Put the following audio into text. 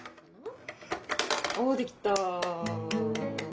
おできた。